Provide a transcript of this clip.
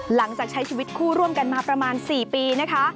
หลังจากใช้ชีวิตคู่ร่วมกันมาประมาณ๔ปีนะคะ